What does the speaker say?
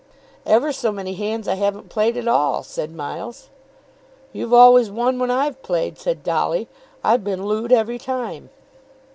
"Ever so many hands I haven't played at all," said Miles. "You've always won when I've played," said Dolly. "I've been looed every time."